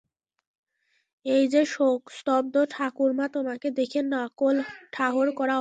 এই যে, শোকস্তব্ধ ঠাকুরমা, তোমাকে দেখে নকল ঠাহর কর অসম্ভব।